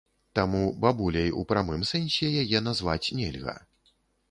Таму бабуляй ў прамым сэнсе яе назваць нельга.